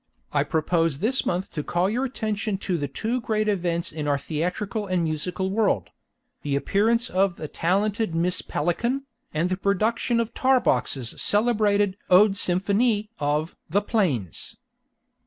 I propose this month to call your attention to the two great events in our theatrical and musical world the appearance of the talented Miss PELICAN, and the production of Tarbox's celebrated "Ode Symphonie" of "The Plains."